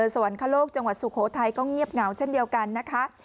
สวรรคโลกจังหวัดสุโขทัยก็เงียบเหงาเช่นเดียวกันนะคะ